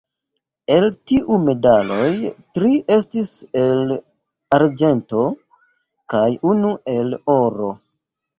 El tiuj medaloj tri estis el arĝento kaj unu el oro.